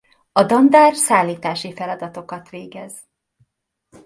A dandár szállítási feladatokat végez.